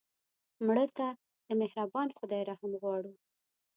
مړه ته د مهربان خدای رحم غواړو